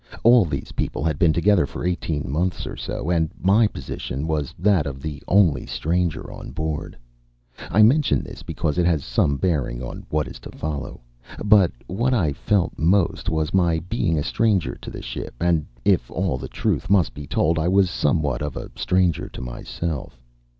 All these people had been together for eighteen months or so, and my position was that of the only stranger on board. I mention this because it has some bearing on what is to follow. But what I felt most was my being a stranger to the ship; and if all the truth must be told, I was somewhat of a stranger to myself.